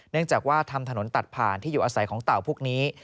เนื่องจากว่าทำถนนตัดผ่านที่อยู่อาศัยของเต่าพวกนี้